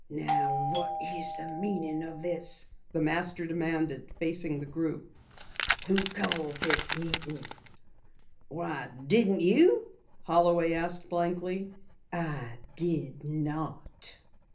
"Now what is the meaning of this?" the Master demanded, facing the group. "Who called this meeting?" "Why, didn't you?" Holloway asked blankly. "I did not."